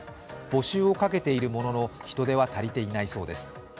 募集をかけているものの人手は足りていないそうです。